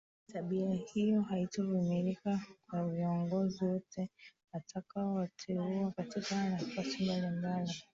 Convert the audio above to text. Tabia hiyo hatoivumilia kwa viongozi wote atakaowateua katika nafasi mbali mbali